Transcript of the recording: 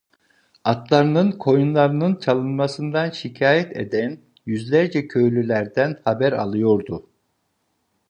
Atlarının, koyunlarının çalınmasından şikâyet eden yüzlerce köylülerden haber alıyordu.